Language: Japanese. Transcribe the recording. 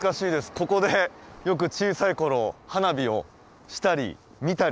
ここでよく小さい頃花火をしたり見たりしてました。